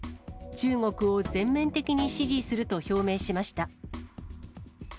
中国を全面的に支持すると表明しました。